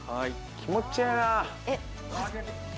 気持ちええな！